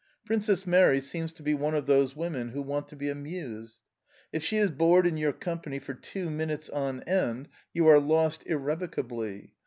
Princess Mary seems to be one of those women who want to be amused. If she is bored in your company for two minutes on end you are lost irrevocably.